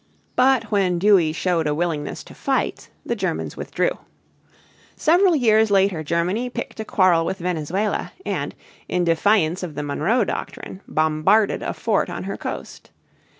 But when Dewey showed a willingness to fight, the Germans withdrew. Several years later Germany picked a quarrel with Venezuela and, in defiance of the Monroe Doctrine, bombarded a fort on her coast.